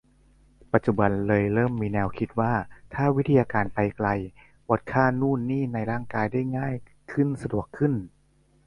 ปัจจุบันเลยเริ่มมีแนวคิดว่าถ้าวิทยาการไปไกล วัดค่านู่นนี่ในร่างกายได้ง่ายขึ้นสะดวกขึ้น